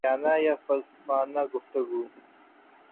بیانیہ یا فلسفانہ گفتگو